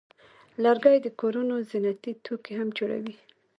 لرګی د کورونو زینتي توکي هم جوړوي.